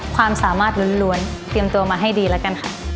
ความสามารถล้วนเตรียมตัวมาให้ดีแล้วกันค่ะ